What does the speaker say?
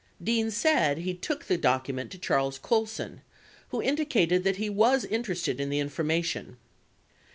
Dean said he took the document to Charles Colson who indicated that he was interested in the information.